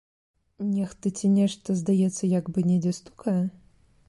Нехта ці нешта, здаецца, як бы недзе стукае?